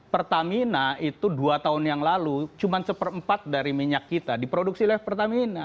pertamina itu dua tahun yang lalu cuma seperempat dari minyak kita diproduksi oleh pertamina